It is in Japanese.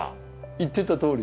言ってたとおり？